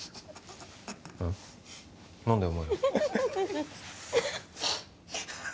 何だよお前ら